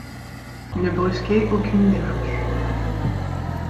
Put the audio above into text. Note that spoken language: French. Ne brusquez aucune démarche.